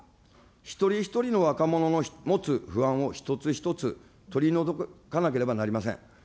一人一人の若者の持つ不安を一つ一つ取り除かなければなりません。